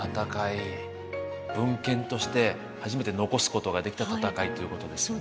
文献として初めて残すことができた戦いということですよね。